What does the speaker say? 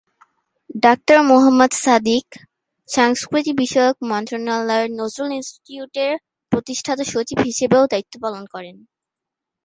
Doctor Mohammad Sadiq সংস্কৃতি বিষয়ক মন্ত্রণালয়ের নজরুল ইন্সটিটিউট-এর প্রতিষ্ঠাতা সচিব হিসেবেও দায়িত্ব পালন করেন।